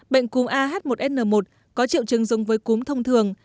bệnh cúm ah một n một có triệu chứng giống với cúm thông thường